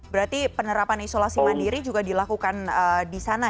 berarti penerapan isolasi mandiri juga dilakukan disana ya